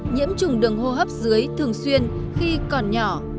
nhiễm trùng đường hô hấp dưới thường xuyên khi còn nhỏ